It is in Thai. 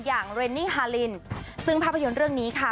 เรนนี่ฮาลินซึ่งภาพยนตร์เรื่องนี้ค่ะ